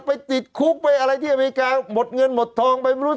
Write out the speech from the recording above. แล้วติดคุกป่ะฮะนี่ติดคุก